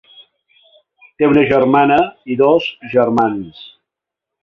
Té una germana i dos germans.